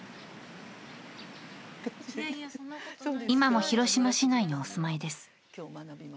今も広島市内にお住まいです。